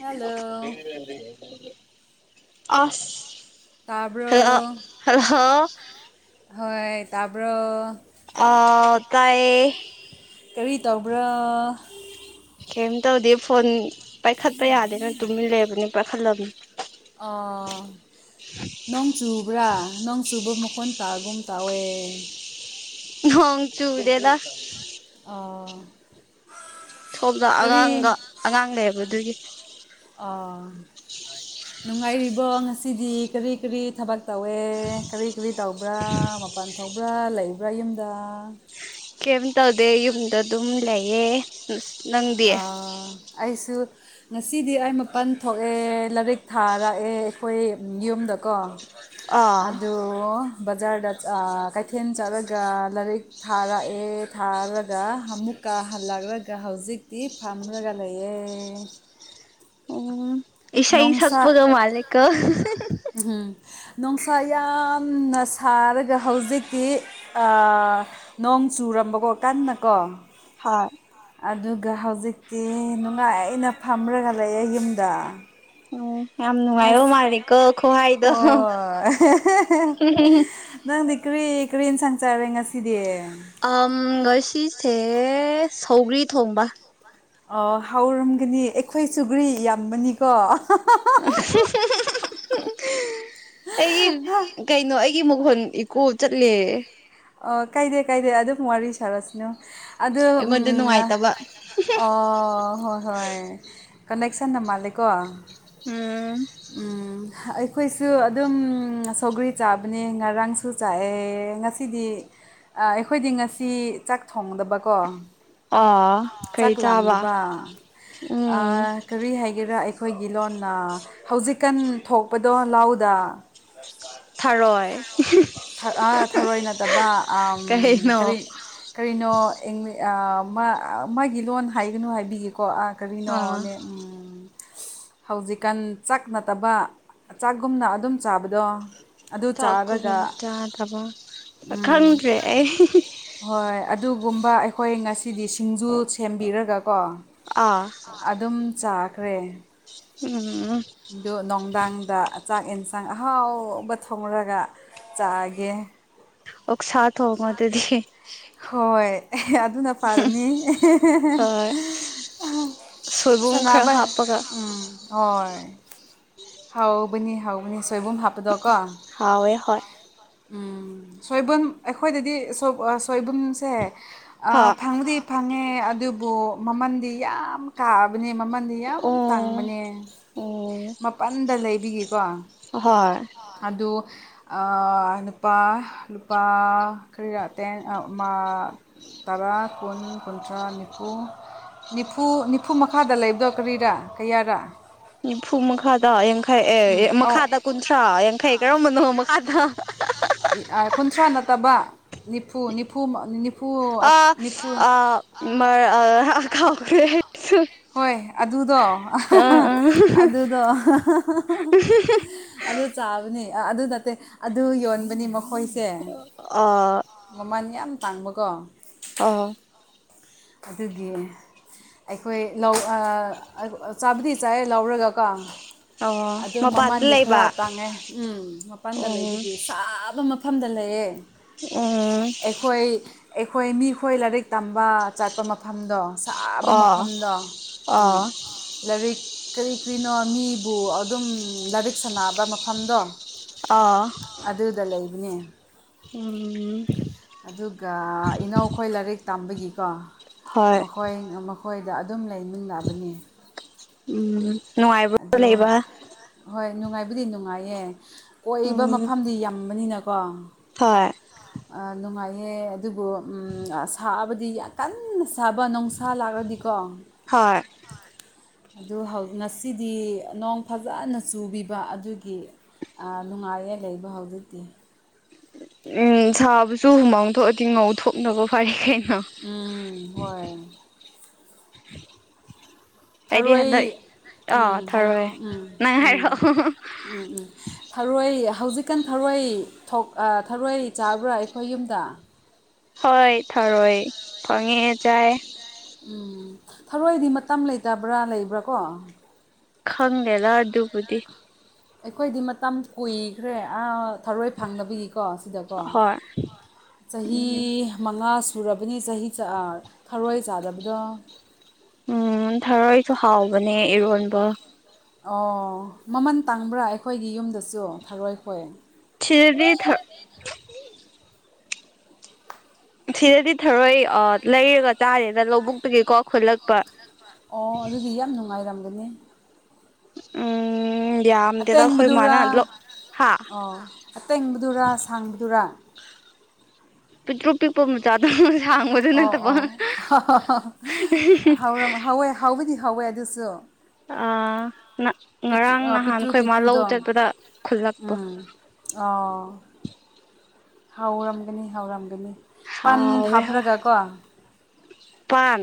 Hello ꯑꯁ hello ꯇꯥꯕ꯭ꯔꯣ hello. ꯍꯣꯏ ꯇꯥꯕꯔꯣ꯫ ꯑ ꯇꯥꯏꯌꯦ꯫ ꯀꯔꯤ ꯇꯧꯕ꯭ꯔꯥ꯫ ꯀꯩꯝ ꯇꯧꯗꯦ ꯐꯣꯟ ꯄꯥꯏꯈꯠꯄ ꯌꯥꯗꯦꯅ ꯇꯨꯃꯤꯜꯂꯩꯕꯅꯤ ꯄꯥꯏꯈꯠꯂꯝꯅꯤ꯫ ꯑꯥ꯫ ꯅꯣꯡ ꯆꯨꯕ꯭ꯔꯥ ꯅꯣꯡ ꯆꯨꯕ ꯃꯈꯣꯟ ꯇꯥꯒꯨꯝ ꯇꯧꯋꯦ꯫ ꯅꯣꯡ ꯆꯨꯗꯦꯗ꯫ ꯑꯧ꯫ ꯊꯣꯛ꯫ꯂ ꯑꯉꯥꯡꯒ ꯑꯉꯥꯡ ꯂꯩꯕ ꯑꯗꯨꯒꯤ꯫ ꯑꯥ꯫ ꯅꯨꯡꯉꯥꯏꯔꯤꯕꯣ ꯉꯁꯤꯗꯤ ꯀꯔꯤ ꯀꯔꯤ ꯊꯕꯛ ꯇꯧꯋꯦ꯫ ꯀꯔꯤ ꯀꯔꯤ ꯇꯧꯕ꯭ꯔꯥ ꯃꯄꯥꯟ ꯊꯣꯛꯕ꯭ꯔꯥ ꯂꯩꯕ꯭ꯔꯥ ꯌꯨꯝꯗ꯫ ꯀꯩꯝ ꯇꯧꯗꯦ ꯌꯨꯝꯗ ꯑꯗꯨꯝ ꯂꯩꯌꯦ꯫ ꯅꯪꯗꯤ ꯑ ꯑꯩꯁꯨ꯫ ꯉꯁꯤꯗꯤ ꯑꯩ ꯃꯄꯟ ꯊꯣꯛꯑꯦ ꯂꯥꯏꯔꯤꯛ ꯊꯥꯔꯛꯑꯦ ꯑꯩꯈꯣꯏ ꯌꯨꯝꯗꯀꯣ ꯑꯥ ꯑꯗꯨ ꯕꯖꯥꯔꯗ ꯑꯥ ꯀꯩꯊꯦꯜ ꯆꯠꯂꯒ ꯂꯥꯏꯔꯤꯛ ꯊꯥꯔꯛꯑꯦ ꯊꯥꯔꯒ ꯑꯃꯨꯛꯀ ꯍꯜꯂꯛꯂꯒ ꯍꯧꯖꯤꯛ ꯏ ꯐꯥꯝꯔꯥꯒꯥ ꯂꯩꯌꯦ ꯑꯣ ꯫ꯏꯁꯩ ꯁꯛꯄꯒ ꯃꯥꯜꯂꯤꯀꯣ ꯎ ꯍꯨꯝ ꯅꯨꯡꯁꯥ ꯌꯥꯝꯅ ꯁꯥꯔꯒ ꯍꯧꯖꯤꯛꯇꯤ ꯅꯣꯡ ꯆꯨꯔꯝꯕꯀꯣ ꯀꯟꯅ ꯀꯣ ꯍꯥ ꯑꯗꯨꯒ ꯍꯧꯖꯤꯛꯇꯤ ꯅꯨꯡꯉꯥꯏꯅ ꯐꯝꯔꯒ ꯂꯩꯌꯦ ꯌꯨꯝꯗ ꯑꯣ ꯌꯥꯝ ꯅꯨꯡ ꯑ ꯍꯣꯏ ꯅꯪꯗꯤ꯫ ꯀꯔꯤ ꯀꯔꯤ ꯑꯦꯟꯁꯥꯡ ꯆꯥꯔꯦ ꯉꯁꯤꯗꯤ ꯑꯝ ꯉꯁꯤꯁꯦ ꯁꯧꯒ꯭ꯔꯤ ꯊꯣꯡꯕ ꯑꯣ ꯍꯥꯎꯔꯝꯒꯅꯤ ꯑꯩꯈꯣꯏ ꯆꯨꯒ꯭ꯔꯤ ꯌꯥꯝꯕꯅꯤꯀꯣ [unintelligible] ꯑꯩꯒꯤ ꯀꯩꯅꯣ꯫ ꯑꯩꯒꯤ ꯃꯈꯨꯣꯟ ꯏꯀꯣ ꯆꯠꯂꯦ ꯑ ꯀꯥꯏꯗꯦ ꯀꯥꯏꯗꯦ ꯑꯗꯨꯝ ꯋꯥꯔꯤ ꯁꯟꯅꯥꯁꯤꯑꯣ ꯑꯩꯉꯣꯟꯗ ꯅꯨꯡꯉꯥꯏꯇꯕ ꯑꯣ ꯍꯣꯏ ꯍꯣꯏ꯫ ꯀꯟꯅꯦꯛꯁꯟꯗ ꯃꯥꯜꯂꯦꯀꯣ ꯎꯝ ꯎꯝ ꯑꯩꯈꯣꯏꯁꯨ ꯑꯗꯨꯝ ꯁꯧꯒ꯭ꯔꯤ ꯆꯥꯕꯅꯦ ꯉꯔꯥꯡꯁꯨ ꯆꯥꯑꯦ ꯉꯁꯤꯗꯤ ꯑꯩꯈꯣ꯫ꯏꯗꯤ ꯉꯁꯤ ꯆꯥꯛ ꯊꯣꯡꯗꯕꯀꯣ ꯑꯥ ꯀꯩ ꯆꯥꯛ ꯆꯥꯕ ꯂꯥꯝꯗꯕ ꯎꯝ ꯀꯔꯤ ꯍꯥꯏꯒꯦꯔꯥ ꯑꯩꯈꯣꯏꯒꯤ ꯂꯣꯟꯅ ꯍꯧꯖꯤꯛꯀꯥꯟ ꯊꯣꯛꯄꯗꯣ ꯂꯧꯗꯥ ꯁ ꯊꯔꯣꯏ ꯐꯔ [inaudible] [unintelligible] ꯊꯔꯣꯏ ꯅꯠꯇꯕ ꯀꯩꯅꯣ ꯀꯔꯤ ꯀꯔꯤꯅꯣ ꯃꯥꯒꯤ ꯂꯣꯟ ꯍꯥꯏꯒꯅꯨ ꯍꯥꯏꯕꯤꯒꯦꯀꯣ ꯑꯥ ꯑꯥ ꯀꯔꯤꯅꯣꯅꯦ ꯎꯝ ꯍꯧꯖꯤꯛꯀꯥꯟ ꯆꯥꯛ ꯅꯠꯇꯕ ꯆꯥꯛꯒꯨꯝꯅ ꯑꯗꯨꯝ ꯆꯥꯕꯗꯣ ꯑꯗꯨ ꯆꯥꯛ ꯀꯨꯝ ꯆꯥꯔꯒ ꯆꯥꯗꯕ ꯎꯝ ꯈꯪꯗꯔꯦ ꯑꯩ ꯍꯣꯏ ꯑꯗꯨꯒꯨꯝꯕ ꯑꯩꯈꯣꯏ ꯉꯁꯤꯗꯤ ꯁꯤꯡꯖꯨ ꯁꯦꯝꯕꯤꯔꯒꯀꯣ ꯑꯥ ꯑꯗꯨꯝ ꯆꯥꯈ꯭ꯔꯦ ꯎꯝ ꯑꯗꯨ ꯅꯨꯡꯗꯥꯡꯗ ꯆꯥꯛ ꯌꯦꯟꯁꯥꯡ ꯑꯍꯥꯎꯕ ꯊꯣꯡꯔꯒ ꯆꯥꯒꯦ ꯑꯣꯛꯁꯥ ꯊꯣꯡꯉꯣ ꯑꯗꯨꯗꯤ ꯍꯣꯏ ꯑꯦ ꯑꯗꯨꯅ ꯐꯥꯔꯅꯤ ꯍꯣꯏ ꯁꯣꯏꯕꯨꯝ ꯈꯔ ꯁꯥꯟꯅꯕꯩ ꯍꯥꯞꯄꯒ ꯎꯝ ꯍꯣꯏ ꯍꯥꯎꯕꯅꯤ ꯍꯥꯎꯕꯅꯤ ꯁꯣꯏꯕꯨꯝ ꯍꯥꯞꯄꯗꯣꯀꯣ ꯍꯥꯎꯋꯦ ꯍꯣꯏ ꯎꯝ ꯁꯣꯏꯕꯨꯝ ꯑꯩꯈꯣꯏꯗꯗꯤ ꯁꯣꯏ ꯁ‌ꯣꯏꯕꯨꯝꯁꯦ ꯍꯥ ꯑꯥ ꯐꯪꯉꯥꯗꯤ ꯐꯪꯉꯦ ꯑꯗꯨꯕꯨ ꯃꯃꯜꯗꯤ ꯌꯥꯝ ꯀꯥꯕꯅꯦ ꯃꯃꯜꯗꯤ ꯌꯥꯝ ꯑꯣ ꯇꯥꯡꯕꯅꯦ ꯑꯣ ꯃꯄꯥꯟꯗ ꯂꯩꯕꯒꯤꯀꯣ ꯍꯣꯏ ꯑꯗꯣ ꯑꯥ ꯅꯨꯄꯥ ꯂꯨꯄꯥ ꯀꯔꯤꯔꯥ ꯇꯦꯟ‌ ꯑꯃ ꯇꯔꯥ ꯀꯨꯟ ꯀꯨꯟꯊ꯭ꯔꯥ ꯅꯤꯐꯨ ꯅꯤꯐꯨ ꯅꯤꯐꯨꯃꯥꯈꯥꯗ ꯂꯩꯕꯗꯣ ꯀꯔꯤꯔꯥ ꯀꯌꯥꯔꯥ ꯅꯤꯐꯨ ꯃꯈꯥꯗ ꯌꯥꯡꯈꯩ ꯎꯝ ꯑꯦ ꯑꯧ ꯃꯈꯥꯗ ꯀꯨꯟꯊ꯭ꯔꯥ ꯌꯥꯡꯈꯩ ꯀꯔꯝꯕꯅꯣ ꯃꯈꯥꯗ ꯑꯥ ꯀꯨꯟꯊ꯭ꯔꯥ ꯅꯠꯇꯕ ꯅꯤꯐꯨ ꯅꯤꯐꯨ ꯅꯤꯐꯨ ꯑ ꯅꯤꯐꯨ ꯑ ꯈꯥꯎꯈꯔ‌ꯦ ꯍꯣꯏ ꯑꯗꯨꯗꯣ ꯑꯗꯨꯗꯣ ꯑꯗꯨ ꯆꯥꯕꯅꯤ ꯑꯗꯨ ꯅꯠꯇꯦ ꯑꯗꯨ ꯌꯣꯟꯕꯅꯤ ꯃꯈꯣꯏ ꯑ ꯃꯃꯜ ꯌꯥꯝ ꯇꯥꯡꯕꯀꯣ ꯑꯣ ꯑꯗꯨꯒꯤꯅ‌ꯦ ꯑꯩꯈꯣꯏ ꯂꯧ ꯑꯥ ꯆꯥꯕꯗꯤ ꯆꯥꯏꯌ‌ꯦ ꯂꯧꯔꯒꯀꯣ ꯑꯣ ꯑꯗꯨ ꯃꯄꯥꯟꯗ ꯃꯃꯜꯗꯤ ꯈꯔ ꯂꯩꯕ ꯇꯥꯡꯉꯦ ꯎꯝ ꯃꯄꯥꯟꯗ ꯎꯝ ꯂꯩꯕꯒꯤ ꯁꯥꯥꯕ ꯃꯐꯝꯗ ꯂꯩꯌꯦ ꯎꯝ ꯑꯩꯈꯣꯏ ꯑꯩꯈꯣꯏ ꯃꯤꯈꯣꯏ ꯂꯥꯏꯔꯤꯛ ꯇꯝꯕ ꯆꯠꯄ ꯃꯐꯝꯗꯣ ꯁꯥꯕ ꯑꯣ ꯃꯐꯝꯗꯣ ꯎꯝ ꯑꯣ ꯂꯥꯏꯔꯤꯛ ꯀꯔꯤ ꯀꯔꯤꯅꯣ ꯃꯤ ꯕꯨ ꯑꯗꯨꯝ ꯂꯥꯏꯔꯤꯛ ꯁꯥꯟꯅꯕ ꯃꯐꯝꯗꯣ ꯑꯣ ꯑꯗꯨꯗ ꯂꯩꯕꯅꯦ ꯎꯝ ꯑꯗꯨꯒ ꯏꯅꯥꯎꯈꯣꯏ ꯂꯥꯏꯔꯤꯛ ꯇꯝꯕꯒꯤꯀꯣ ꯍꯣꯏ ꯃꯈ‌ꯣꯏ ꯃꯈꯣꯏꯗ ꯑꯗꯨꯝ ꯂꯩꯃꯤꯟꯅꯕꯅꯤ ꯎꯝ ꯅꯨꯡꯉꯥꯏꯕ꯭ꯔ‌ꯣ ꯍꯣꯏ ꯅꯨꯡꯉꯥꯏꯕꯨꯗꯤ ꯅꯨꯡꯉꯥꯏꯌꯦ ꯀꯣꯏꯕ ꯃꯐꯝꯗꯤ ꯌꯥꯝꯕꯅꯤꯅꯀꯣ ꯍ‌‌ꯣꯏ ꯑꯥ ꯅꯨꯡꯉꯥꯏꯌꯦ ꯑꯗꯨꯕꯨ ꯎꯝ ꯁꯥꯕꯗꯤ ꯌꯥꯝ ꯀꯟꯅ ꯁꯥꯕ ꯅꯨꯡꯁꯥ ꯂꯥꯛꯔꯗꯤꯀꯣ ꯍꯣꯏ ꯑꯗꯨ ꯉꯁꯤꯗꯤ ꯅꯣꯡ ꯐꯖꯅ ꯆꯨꯕꯤꯕ ꯑꯗꯨꯒꯤ ꯑꯥ ꯅꯨꯡꯉꯥꯏꯌꯦ ꯂꯩꯕ ꯍꯧꯖꯤꯛꯇꯤ ꯎꯝ ꯁꯥꯕꯁꯨ ꯍꯨꯃꯥꯡ ꯊꯣꯛꯑꯗꯤ ꯉꯧꯊꯣꯛꯅꯕ ꯐꯩ ꯀꯩꯅꯣ ꯎꯝ ꯍꯣꯏ [inaudible] [inaudible] ꯊꯔꯣꯏ ꯍꯟꯗꯛ ꯎꯝ ꯑꯥ ꯍꯥꯏꯌꯣ ꯊꯔꯣꯏ ꯎꯝ ꯅꯪ ꯎꯝ ꯍꯥꯏꯔꯛꯑꯣ ꯎꯝ ꯎꯝ ꯊꯔꯣꯏ ꯍꯧꯖꯤꯛꯀꯥꯟ ꯊꯔꯣꯏ ꯊ‌ꯣꯛ ꯑꯥ ꯊꯔꯣꯏ ꯆꯥꯕ꯭ꯔꯥ ꯑꯩꯈꯣꯏ ꯌꯨꯝꯗ ꯍꯣꯏ ꯊꯔꯣꯏ ꯐꯪꯉꯦ ꯆꯥꯏ ꯎꯝ ꯊꯔꯣꯏꯗꯤ ꯃꯇꯝ ꯂꯩꯇꯕ꯭ꯔꯥ ꯂꯩꯕ꯭ꯔꯥ ꯀꯣ ꯈꯪꯉꯦꯔ ꯑꯗꯨꯕꯨꯗꯤ ꯑꯩꯈꯣꯏꯗꯤ ꯃꯇꯝ ꯀꯨꯏꯈ꯭ꯔꯦ ꯊꯔꯣꯏ ꯐꯪꯅꯕꯒꯤꯀꯣ ꯁꯤꯗꯀꯣ ꯍꯣꯏ ꯆꯍꯤ ꯎꯝ ꯃꯉꯥ ꯁꯨꯔꯕꯅꯤ ꯆꯍꯤ ꯊꯔꯣꯏ ꯆꯥꯗꯕꯗꯣ ꯎꯝ ꯊꯔꯣꯏꯁꯨ ꯍꯥꯎꯕꯅꯦ ꯏꯔꯣꯟꯕ ꯑꯣ ꯃꯃꯟ ꯇꯥꯡꯕ꯭ꯔꯥ ꯑꯩꯈꯣꯏꯒꯤ ꯌꯨꯝꯗꯁꯨ ꯊꯔꯣꯏꯈꯣꯏ ꯊꯤꯔꯤꯗꯤ ꯊꯛ ꯁꯤꯗꯗꯤ ꯊꯔꯣꯏ ꯂꯩꯔꯒ ꯆꯥꯔꯦꯅ ꯂꯧꯕꯨꯛꯇꯒꯤꯀꯣ ꯈꯨꯜꯂꯛꯄ ꯑꯣ ꯑꯗꯨꯗꯤ ꯌꯥꯝ ꯅꯨꯡꯉꯥꯏꯔꯝꯒꯅꯤ ꯎꯝ ꯌꯥꯝꯗꯦꯗ ꯑꯩꯈꯣꯏ ꯑꯇꯦꯡꯕꯗꯨꯔꯥ ꯃꯥꯅ ꯂ ꯍꯥ ꯑꯣ ꯑꯇꯦꯡꯕꯗꯨꯔ ꯁꯥꯡꯕꯗꯨꯔ ꯄꯤꯛꯇ꯭ꯔꯨ ꯄꯤꯛꯄ ꯃꯆꯥꯗꯨꯣ ꯁꯥꯡꯕꯗꯨ ꯑꯣ ꯅꯠꯇꯕ ꯑꯣ ꯍꯋꯗꯤ ꯍꯧꯋꯦ ꯑꯗꯨꯁꯨ ꯄꯤꯇ꯭ꯔꯨ ꯉꯔꯥꯡ ꯑ ꯅꯍꯥꯟ ꯄꯤꯇ꯭ꯔꯨ ꯈꯈꯣꯏ ꯃꯥ ꯂꯧꯧ ꯄꯤꯇ꯭ꯔꯨꯗꯣ ꯆꯠꯄꯗ ꯈꯨꯜꯂꯛꯄꯣ ꯑꯥ ꯍꯥꯎꯔꯝꯒꯅꯤ ꯍꯥꯎꯔꯝꯒꯅꯤ ꯊꯥꯎꯋ ꯍꯥ ꯄꯥꯟ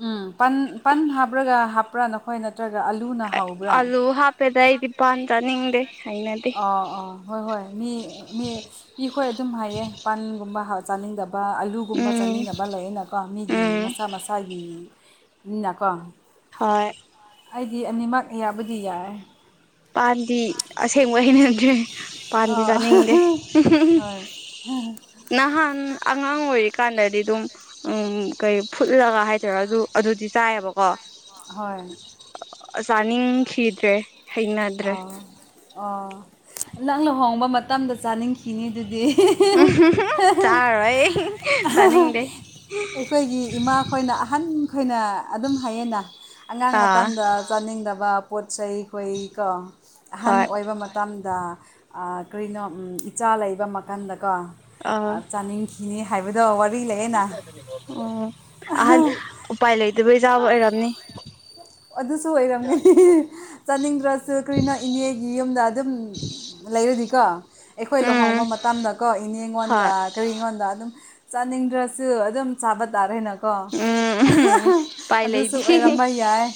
ꯎꯝ ꯄꯟ ꯄꯟ ꯍꯥꯕ꯭ꯔꯒ ꯍꯥꯄ꯭ꯔꯥꯅ ꯍꯣꯏ ꯅꯠꯇ꯭ꯔꯒ ꯑꯥꯂꯨꯅ ꯍꯥꯎꯕ꯭ꯔꯥ ꯑꯂꯨ ꯍꯥꯞꯄꯦꯗ ꯑꯩꯗꯤ ꯍꯞꯇꯦꯗ ꯄꯥꯟ ꯑꯩꯗꯤ ꯄꯟ ꯆꯥꯅꯤꯡꯗꯦ ꯆꯅꯤꯡꯉꯤ ꯍꯩꯅꯗꯦ ꯑꯥ ꯑꯣꯥ ꯍꯣꯏ ꯍꯣꯏ ꯃꯤ ꯃꯤ ꯃꯤꯈꯣꯏ ꯑꯗꯨꯝ ꯍꯥꯏꯌꯦ ꯄꯥꯟꯒꯨꯝꯕ ꯆꯥꯅꯤꯡꯗꯕ ꯑꯂꯨ ꯑꯗꯨꯒꯨꯝꯕ ꯎꯝ ꯆꯥꯅꯤꯡꯕ ꯂꯩ ꯑꯩꯅꯀꯣ ꯃꯤꯒꯤ ꯎꯝ ꯃꯁꯥ ꯃꯁꯥꯒꯤ ꯃꯤꯅꯀꯣ ꯍꯣꯏ ꯑꯩꯗꯤ ꯑꯅꯤꯃꯛ ꯑꯌꯥꯕꯨꯗꯤ ꯌꯥꯏ ꯄꯥꯟꯗꯤ ꯑꯁꯦꯡꯕ ꯍꯩꯅꯗ꯭ꯔꯦ ꯄꯥꯟꯗꯤ ꯆꯥꯅꯤꯡꯗꯦ ꯎꯝ ꯅꯍꯥꯟ ꯑꯉꯥꯡ ꯑꯣꯏꯔꯤꯀꯥꯟꯗꯗꯤ ꯑꯗꯨꯝ ꯎꯝ ꯀꯩ ꯐꯨꯠꯂꯒ ꯍꯥꯏꯗꯣꯏꯔꯥ ꯑꯗꯨ ꯑꯗꯨꯗꯤ ꯆꯥꯏꯌꯦꯕꯀꯣ ꯀ ꯍꯣꯏ ꯆꯥꯅꯤꯡꯈꯤꯗ꯭ꯔꯦ ꯍꯩꯅꯗ꯭ꯔꯦ ꯑꯥ ꯑꯣ ꯅꯪ ꯂꯨꯍꯣꯡꯕ ꯃꯇꯝꯗ ꯆꯥꯅꯤꯡꯈꯤꯅꯤ ꯑꯗꯨꯗꯤ ꯎꯝ ꯇꯥꯔ ꯑꯩ ꯆꯅꯤꯡꯦ ꯑꯩꯈꯣꯏꯒꯤ ꯏꯃꯥꯈꯣꯏꯅ ꯑꯍꯟ ꯈꯣꯏꯅ ꯑꯗꯨꯝ ꯍꯥꯏꯌꯦꯩꯅ ꯑꯉꯥꯡ ꯑꯥ ꯃꯇꯝꯗ ꯆꯥꯅꯤꯡꯗꯕ ꯄꯣꯠ ꯆꯩ ꯑꯩꯈꯣꯏ ꯀꯣ ꯑꯍꯟ ꯍꯣꯏ ꯑꯣꯏꯕ ꯇꯝꯗ ꯑꯥ ꯀꯔꯤꯅꯣ ꯎꯝ ꯏꯆꯥ ꯂꯩꯕ ꯃꯀꯟꯗꯀꯣ ꯑꯥ ꯆꯥꯅꯤꯡ ꯀꯅꯤ ꯍꯥꯏꯕꯗꯣ ꯑꯋꯥ ꯑꯣ ꯑꯍꯟ ꯎꯄꯥꯏ ꯂꯩꯇꯕꯩꯖꯥꯕ ꯑꯣꯏꯔꯝꯅꯤ ꯑꯗꯨꯁꯨ ꯑꯣꯏꯔꯝꯒꯅꯤ ꯆꯥꯅꯤꯡꯗ꯭ꯔꯁꯨ ꯀꯔꯤꯅꯣ ꯏꯅꯦꯒꯤ ꯌꯨꯝꯗ ꯑꯗꯨꯝ ꯂꯩꯔꯅꯤꯀꯣ ꯑꯩꯈꯣꯏ ꯎꯝ ꯂꯨꯍꯣꯡꯕ ꯃꯇꯝꯗꯀꯣ ꯏꯅꯦꯉꯣꯟꯗ ꯍꯣꯏ ꯀꯔꯤ ꯑꯩꯉꯣꯟꯗ ꯑꯗꯨꯝ ꯆꯥꯅꯤꯡꯗ꯭ꯔꯁꯨ ꯑꯗꯨꯝ ꯆꯥꯕ ꯇꯥꯔꯦꯅ ꯀꯣ ꯎꯝ ꯎꯄꯥꯏ ꯑꯗꯨꯁꯨ ꯂꯩꯇꯦ ꯑꯣꯏꯔꯝꯕ ꯌꯥꯏ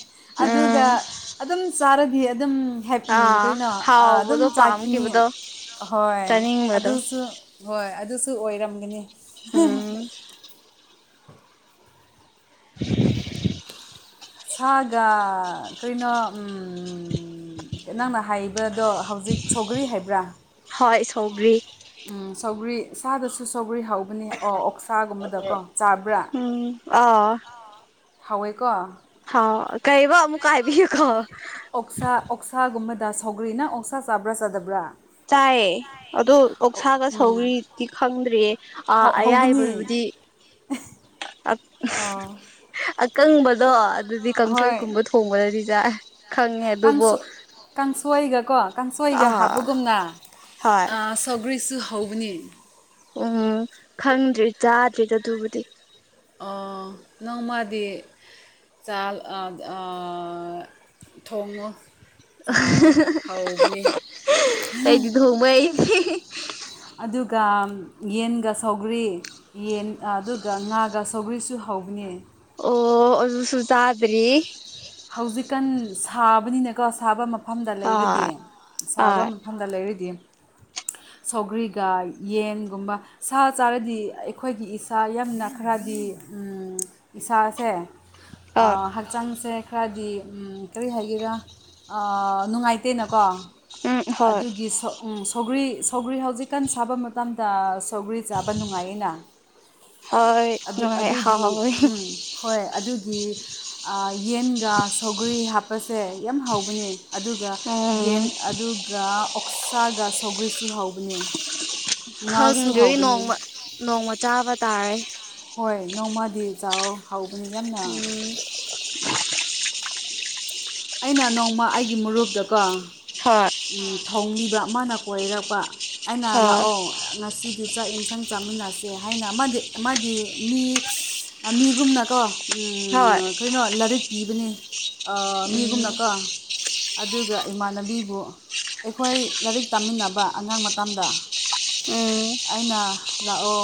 ꯑꯗꯨꯒ ꯎꯝ ꯑꯗꯨꯝ ꯆꯥꯔꯗꯤ ꯑꯗꯨꯝ ꯑꯥ ꯀꯩꯅꯣ ꯑꯗꯨꯝ ꯍꯥꯎꯕꯗꯣ ꯆꯥꯈꯤꯅꯤ ꯄꯥꯝꯈꯤꯕꯗꯣ ꯍꯣꯏ ꯆꯥꯅꯤꯡꯕꯗꯣ ꯑꯗꯨꯁꯨ ꯍꯣꯏ ꯑꯗꯨꯁꯨ ꯑꯣꯏꯔꯝꯒꯅꯤ ꯎꯝ [unintelligible] ꯁꯥꯒ ꯀꯩꯅꯣ ꯅꯪꯅ ꯍꯥꯏꯕꯗꯣ ꯍꯧꯖꯤꯛ ꯁꯧꯒꯔꯤ ꯍꯥꯏꯕ꯭ꯔꯥ ꯍꯣꯏ ꯁꯧꯒ꯭ꯔꯤ ꯁꯧꯒ꯭ꯔꯤ ꯁꯥꯥꯗꯁꯨ ꯁꯧꯒ꯭ꯔꯤ ꯍꯥꯎ ꯑꯗꯨꯅꯤ ꯑꯣ ꯑꯣꯛꯁꯥꯒꯨꯝꯕꯗꯀꯣ ꯆꯥꯕ꯭ꯔꯥ ꯎꯝ ꯑꯥ ꯍꯥꯎꯦꯀꯣ ꯍꯥꯎ ꯀꯩꯕ ꯑꯃꯛ ꯀꯥꯏꯕꯤ ꯀ ꯑꯣꯛꯁꯥ ꯑꯣꯛꯁꯥꯒꯨꯝꯕꯗ ꯁꯧꯒ꯭ꯔꯤꯅ ꯑꯣꯛꯁꯥ ꯆꯥꯕ꯭ꯔꯥ ꯆꯥꯗꯕ꯭ꯔꯥ ꯆꯥꯏꯌꯦ ꯑꯗꯣ ꯑꯣꯁꯥꯒ ꯎꯝ ꯁꯧꯔꯤꯗꯤ ꯈꯪꯗ꯭ꯔꯦ ꯍꯧꯕꯅꯤ ꯑꯌꯥꯏꯕꯗꯨꯗꯤ ꯑ ꯑꯥ ꯑꯀꯪꯕꯗꯣ ꯑꯗꯨꯗꯤ ꯍꯣꯏ ꯀꯥꯡꯁꯣꯏꯒꯨꯝꯕ ꯊꯣꯡꯕꯗꯗꯤꯖꯥꯏ ꯀꯥꯡ ꯀꯥꯡꯁꯣꯏꯒ ꯀꯣ ꯀꯥꯡꯁꯣꯏꯒ ꯑꯥ ꯍꯥꯞꯄꯒꯨꯝꯅ ꯍꯣꯏ ꯁꯒꯔꯤꯁꯨ ꯍꯒꯅꯤ ꯎꯝ ꯈꯪꯗ꯭ꯔꯦ ꯆꯥꯗ꯭ꯔꯦꯗ ꯑꯗꯨꯕꯨꯗꯤ ꯅꯪ ꯃꯥꯗꯤ ꯆꯥꯜ ꯑ ꯑ ꯊꯣꯡꯉꯨ ꯆꯥꯎꯥꯛ ꯍꯧꯕꯅꯤ ꯃꯣꯏ ꯑꯗꯨꯒ ꯌꯦꯟꯒ ꯁꯧꯒꯔꯤ ꯌꯦꯟ ꯑꯗꯨꯒ ꯉꯥꯒ ꯁꯧꯒ꯭ꯔꯤꯁꯨ ꯍꯧꯕꯅꯦ ꯑꯣ ꯑꯗꯨꯁꯨ ꯆꯥꯗ꯭ꯔꯤ ꯍꯧꯖꯤꯛꯀꯥꯟ ꯁꯥꯕꯅꯤꯅꯀꯣ ꯁꯥꯕ ꯃꯐꯝꯗ ꯂꯩꯔꯗꯤ ꯍꯣꯏ ꯁꯥꯕ ꯍꯣꯏ ꯃꯐꯝꯗ ꯂꯩꯔꯤꯗꯤ ꯁꯧꯒ꯭ꯔꯤꯒ ꯌꯦꯟꯒꯨꯝꯕ ꯁꯥ ꯆꯥꯔꯗꯤ ꯑꯩꯈꯣꯏꯒꯤ ꯏꯁꯥ ꯌꯥꯝꯅ ꯈꯔꯗꯤ ꯏꯁꯥꯁꯦ ꯍꯣꯏ ꯍꯛꯆꯥꯡꯁꯦ ꯈꯔꯗꯤ ꯀꯔꯤ ꯍꯥꯏꯒꯦꯔꯥ ꯅꯨꯡꯉꯥꯏꯇꯦꯅꯀꯣ ꯎꯝ ꯍꯣꯏ ꯑꯗꯨꯒꯤ ꯁꯧꯒ꯭ꯔꯤ ꯁꯧꯒ꯭ꯔꯤ ꯍꯧꯖꯤꯛꯀꯥꯟ ꯁꯥꯕ ꯃꯇꯝ ꯃꯝꯗ ꯁꯧꯒ꯭ꯔꯤ ꯆꯥꯕ ꯅꯨꯡꯉꯥꯏꯅ ꯍꯣꯏ ꯅꯅꯨꯡꯥꯏ ꯍꯣꯏ ꯍꯣꯏ ꯑꯗꯨꯒꯤ ꯌꯦꯟ ꯒ ꯁꯧꯒꯔꯤ ꯍꯥꯞꯄꯁꯦ ꯌꯥꯝ ꯍꯧꯕꯅꯦ ꯑꯗꯨꯒ ꯌꯦꯟ ꯎꯝ ꯑꯗꯨꯒ ꯒ ꯑꯣꯛꯁꯥꯒ ꯁꯥꯎꯒ꯭ꯔꯔꯤꯁꯨ ꯍꯥꯎꯕꯅꯦ ꯉꯥꯁꯨ ꯈꯪꯗꯔꯤ ꯍꯧꯕꯅꯤ ꯅꯣꯡꯃ ꯅꯣꯡꯃ ꯆꯥꯕ ꯇꯥꯔꯦ ꯍꯣꯏ ꯅꯣꯡꯃꯗꯤ ꯆꯥꯎ ꯍꯧꯕꯅꯤ ꯌꯥꯝꯅ ꯎꯝ ꯑꯩꯅ ꯅꯣꯡꯃ ꯑꯩꯒꯤ ꯃꯔꯨꯞꯇꯀꯣ ꯍꯣꯏ ꯊꯧꯅꯤꯕ ꯑꯃꯅ ꯀꯣꯏꯔꯛꯄ ꯑꯩꯅ ꯍꯣꯏ ꯂꯥꯛꯑꯣ ꯉꯁꯤꯗꯤ ꯆꯥꯛ ꯌꯦꯟꯁꯪ ꯆꯥꯃꯤꯟꯅꯁꯦ ꯍꯥꯏꯅ ꯑꯃꯗꯤ ꯑꯃꯗꯤ ꯃꯤ ꯃꯤꯒꯨꯝꯅꯀꯣ ꯎꯝ ꯍꯣꯏ ꯑꯩꯈꯣꯏꯅ ꯂꯥꯏꯔꯤꯛ ꯏꯕꯅꯤ ꯎꯝ ꯃꯤꯒꯨꯝꯅꯀꯣ ꯑꯗꯨꯒ ꯏꯃꯥꯟꯅꯕꯤꯕꯨ ꯑꯩꯈꯣꯏ ꯂꯥꯏꯔꯤꯛ ꯇꯥꯃꯤꯟꯅꯕ ꯑꯉꯥꯡ ꯃꯇꯗ ꯎꯝ ꯑꯩꯅ ꯂꯥꯛꯑꯣ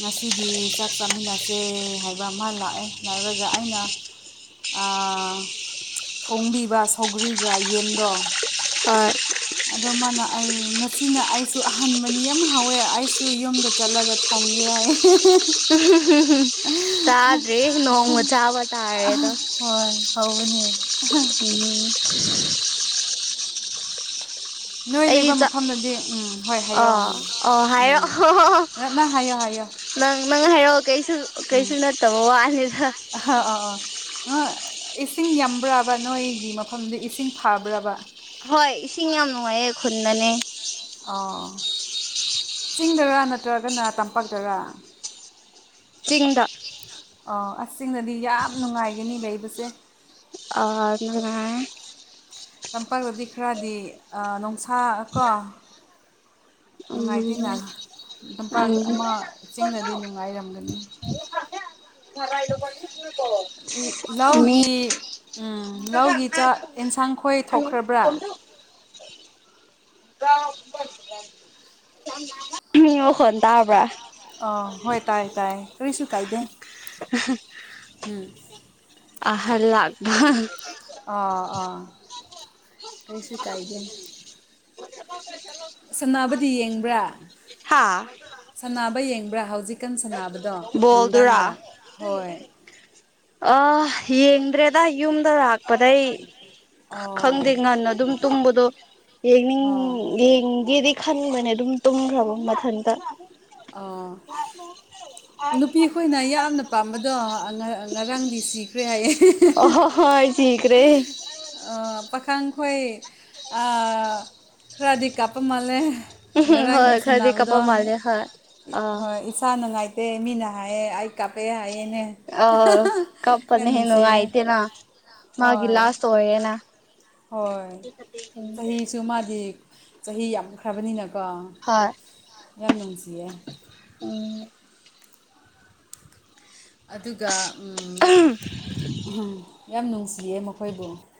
ꯉꯁꯤꯗꯤ ꯆꯥꯛ ꯆꯥꯃꯤꯟꯅꯁꯦ ꯍꯥꯏꯕ ꯑꯃ ꯂꯥꯛꯑꯦ ꯂꯥꯛꯔꯒ ꯑꯩꯅ ꯊꯣꯡꯕꯤꯕ ꯁꯧꯒ꯭ꯔꯤꯒ ꯌꯦꯟꯗꯣ [unintelligible] ꯑꯗꯣ ꯃꯥꯅ ꯑꯩ ꯉꯁꯤꯅ ꯑꯩꯁꯨ ꯑꯍꯟꯕꯅꯤ ꯌꯥꯝ ꯍꯥꯎꯋꯦ ꯑꯩꯁꯨ ꯌꯨꯝꯗ ꯆꯠꯂꯒ ꯊꯣꯡꯒꯦ ꯍꯥꯏ ꯇꯥꯗ꯭ꯔꯤ ꯅꯣꯡꯃ ꯆꯥꯕ ꯇꯥꯦꯗ ꯍꯣꯏ ꯍꯧꯕꯅꯦ ꯎꯝ ꯅꯣꯏ ꯂꯩꯕ ꯑꯩꯗꯤ ꯆꯥ ꯃꯐꯝꯗꯗꯤ ꯎꯝ ꯍꯣꯏ ꯍꯥꯏꯌꯣ ꯑꯥ ꯎꯝ ꯑꯣ ꯎꯝꯝ ꯍꯥꯏꯔꯛꯑꯣ ꯂꯞꯅ ꯍꯥꯏꯌꯣ ꯍꯥꯏꯌꯣ ꯅꯪ ꯅꯪ ꯍꯥꯏꯔꯛꯑꯣ ꯀꯩꯁꯨ ꯀꯩꯁꯨ ꯅꯠꯇꯕ ꯋꯥꯅꯤꯗ ꯑꯥ ꯑꯥ ꯑꯥ ꯏꯁꯤꯡ ꯌꯥꯝꯕ꯭ꯔꯕ ꯅꯣꯏꯒꯤ ꯃꯐꯝꯗꯤ ꯏꯁꯤꯡ ꯐꯕ꯭ꯔꯕ ꯍꯣꯏ ꯏꯁꯤꯡ ꯌꯥꯝ ꯅꯨꯡꯉꯥꯏꯌꯦ ꯈꯨꯟꯗꯅꯦ ꯑꯣ ꯆꯤꯡꯗꯔ ꯅꯠꯇ꯭ꯔꯒ ꯅ ꯇꯝꯄꯥꯛꯗꯕ ꯆꯤꯡꯗ ꯑꯣ ꯆꯤꯡꯗꯗꯤ ꯌꯥꯝ ꯅꯨꯡꯉꯥꯏꯒꯅꯤ ꯂꯩꯕꯁꯦ ꯑꯥ ꯅꯨꯡꯉꯥꯏ ꯇꯄꯥꯛꯗꯗꯤ ꯈꯔꯗꯤ ꯅꯨꯡꯁꯥ ꯀꯣ ꯅꯨꯡꯉꯥꯏꯇꯅ ꯎꯝ ꯇꯥꯝꯄꯥꯛ ꯑꯃ ꯎꯝ ꯆꯤꯡꯅꯗꯤ ꯅꯨꯡꯉꯥꯏꯔꯝꯒꯅꯤ [unintelligible] ꯂꯧꯒꯤ ꯎꯝ ꯂꯧꯒꯤ ꯆꯥꯛ ꯑꯦꯟꯁꯥꯡ ꯈꯣꯏ ꯊꯣꯛꯈ꯭ꯔꯕ꯭ꯔꯥ [unintelligible] [unintelligible] ꯃꯤ ꯑꯣꯈꯣꯟ ꯇꯥꯕ꯭ꯔꯥ ꯑ ꯍꯣꯏ ꯇꯥꯏꯌꯦ ꯇꯥꯏꯌꯦ ꯀꯔꯤꯁꯨꯨ ꯀꯥꯏꯗꯦ [unintelligible] ꯎꯝ ꯑꯍꯜꯂꯥꯛ ꯑꯥ ꯑꯥ ꯀꯩꯁꯨ ꯀꯥꯏꯗꯦ ꯆꯂꯣ ꯁꯥꯟꯅꯕꯗꯤ ꯌꯦꯡꯕ꯭ꯔꯥ ꯍꯥꯥ ꯁꯥꯟꯅꯕ ꯌꯦꯡꯕ꯭ꯔꯥ ꯍꯧꯖꯤꯛꯀꯥꯟ ꯁꯥꯟꯅꯕ ꯕꯣꯜꯗꯨꯔꯥ ꯑꯍ ꯌꯦꯡꯗ꯭ꯔꯦꯗ ꯌꯨꯝꯗ ꯂꯥꯛꯄꯗꯩ ꯈꯪꯗꯦ ꯑꯣ ꯉꯟꯅ ꯑꯗꯨꯝ ꯇꯨꯝꯕꯗꯣ ꯌꯦꯅꯤꯡ ꯑꯣ ꯌꯦꯡꯒꯦꯗꯤ ꯈꯟ ꯈꯟꯕꯅꯦ ꯑꯗꯨꯝ ꯇꯨꯝꯈ꯭ꯔꯕ ꯃꯊꯟꯇ ꯑꯩ ꯅꯨꯄꯤ ꯑꯩꯈꯣꯏꯅ ꯌꯥꯝꯅ ꯄꯥꯝꯕꯗꯣ ꯉꯔꯥꯡꯗꯤ ꯁꯤꯈ꯭ꯔꯦ ꯍꯥꯏꯌꯦ ꯑꯣ ꯍꯣ ꯍꯣ ꯊꯤꯀꯔꯦ ꯑ ꯄꯥꯈꯥꯡꯈꯣꯏ ꯑꯍ ꯈꯔꯗꯤ ꯀꯥꯞꯄ ꯃꯥꯜꯂꯦ ꯎꯝ ꯍꯣꯏ ꯉꯔꯥꯡꯒꯤ ꯈꯔꯗꯤ ꯀꯞꯄ ꯁꯥꯟꯅꯕꯗꯣ ꯃꯥꯜꯂꯦ ꯍꯣꯏ ꯑꯥ ꯍꯣꯏ ꯏꯁꯥ ꯅꯨꯡꯉꯥꯏꯇꯦ ꯃꯤꯅ ꯍꯥꯏꯌꯦ ꯑꯩ ꯀꯥꯞꯄꯦ ꯍꯥꯏꯌꯦꯅꯦ ꯑ ꯀꯄꯅꯤ ꯌꯥꯝ ꯍꯦꯟꯅ ꯅꯨꯡꯁꯤꯌꯦ ꯅꯨꯡꯉꯥꯏꯇꯦꯅ ꯃꯥꯒꯤ ꯍꯣꯏ ꯂꯥꯁ ꯑꯣꯌꯦꯅ ꯍꯣꯏ ꯆꯍꯤꯁꯨ ꯃꯥꯗꯤ ꯆꯍꯤ ꯌꯥꯝꯈ꯭ꯔꯕꯅꯤꯅꯀꯣ ꯍꯣꯏ ꯌꯥꯝ ꯅꯨꯡꯁꯤꯌꯦ ꯎꯝ ꯑꯗꯨꯒ ꯑꯝ ꯑꯍꯝ ꯌꯥꯝ ꯅꯨꯡꯁꯤꯌꯦ ꯃꯈꯣꯏꯕꯨ